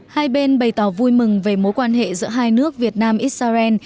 hai bên bày tỏ vui mừng về mối quan hệ giữa hai nước việt nam israel